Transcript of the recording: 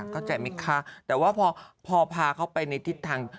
เข้าใจไหมคะแต่ว่าพอพาเขาไปในทิศทาง